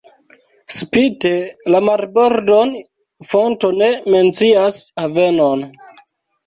Spite la marbordon fonto ne mencias havenon.